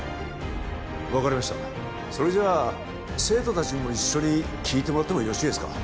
分かりましたそれじゃ生徒達にも一緒に聞いてもらってもよろしいですか？